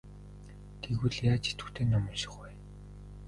Тэгвэл яаж идэвхтэй ном унших вэ?